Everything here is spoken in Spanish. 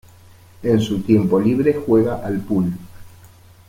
En su tiempo libre juega al pool.